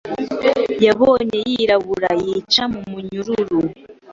Yabonye yirabura yica Mu munyururu